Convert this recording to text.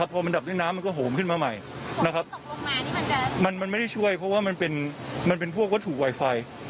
พอมันดับด้วยน้ำมันก็โหมขึ้นมาใหม่นะครับมันไม่ได้ช่วยเพราะว่ามันเป็นพวกวัตถุไวไฟ